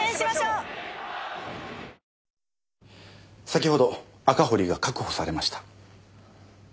先ほど赤堀が確保されました。